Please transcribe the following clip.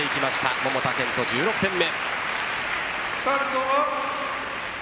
桃田賢斗、１６点目。